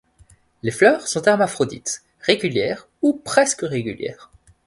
Les fleurs sont hermaphrodites, régulières ou presque régulières.